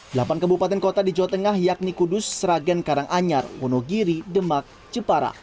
delapan kebupaten kota di jawa tengah yakni kudus sragen karanganyar wonogiri demak jepara